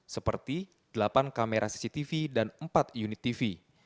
seperti delapan kamera cctv dan empat unit tv